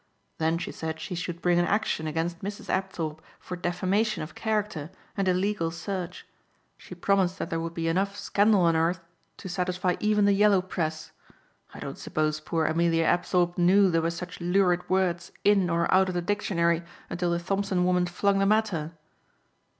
Then she said she should bring an action against Mrs. Apthorpe for defamation of character and illegal search. She promised that there would be enough scandal unearthed to satisfy even the yellow press. I don't suppose poor Amelia Apthorpe knew there were such lurid words in or out of the dictionary until the Thompson woman flung them at her."